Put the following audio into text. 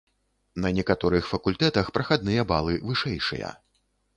На некаторых факультэтах прахадныя балы вышэйшыя.